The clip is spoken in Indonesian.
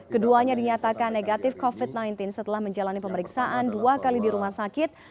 keduanya dinyatakan negatif covid sembilan belas setelah menjalani pemeriksaan dua kali di rumah sakit